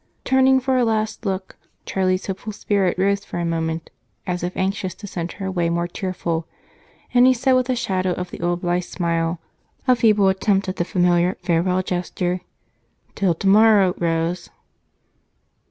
Turning for a last look, Charlie's hopeful spirit rose for a moment, as if anxious to send her away more cheerful, and he said with a shadow of the old blithe smile, a feeble attempt at the familiar farewell gesture: "Till tomorrow, Rose."